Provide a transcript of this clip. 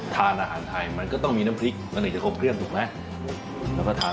ทานอาหารไทยมันก็ต้องมีน้ำพริกมันถึงจะครบเครื่องถูกไหมแล้วก็ทาน